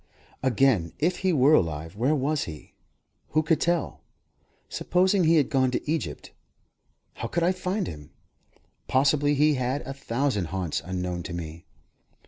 Again, if he were alive, where was he? Who could tell? Supposing he had gone to Egypt, how could I find him? Possibly he had a thousand haunts unknown to me.